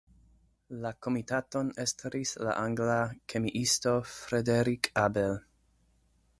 La komitaton estris la angla kemiisto Frederick Abel.